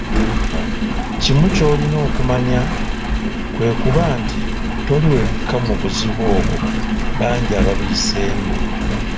Kimu ky'olina okumanya kwe kuba nti toli wekka mu buzibu obwo bangi ababuyiseemu